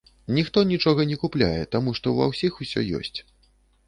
Ніхто нічога не купляе, таму што ва ўсіх усё ёсць.